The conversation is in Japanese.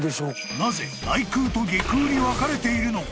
［なぜ内宮と外宮に分かれているのか？］